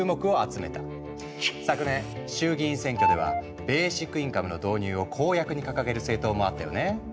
昨年衆議院選挙ではベーシックインカムの導入を公約に掲げる政党もあったよね。